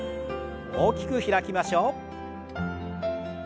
大きく開きましょう。